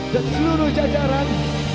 dan seluruh jajaran